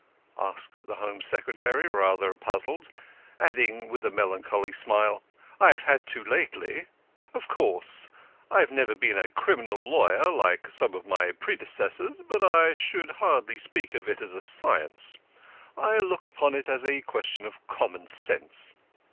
asked the Home Secretary, rather puzzled, adding, with a melancholy smile, "I have had to lately. Of course, I've never been a criminal lawyer, like some of my predecessors. But I should hardly speak of it as a science; I look upon it as a question of common sense."